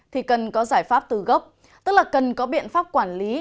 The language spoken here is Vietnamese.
thì cần có giải pháp từ gốc tức là cần có biện pháp quản lý